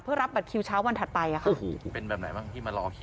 เพื่อรับบัตรคิวเช้าวันถัดไป